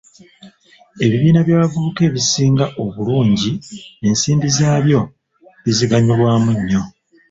Ebibiina by'abavuka ebisiga obulungi ensimbi zaabyo biziganyulwamu nnyo.